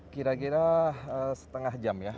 kira kira setengah jam ya